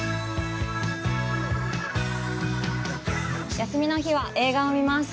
休みの日は映画を見ます。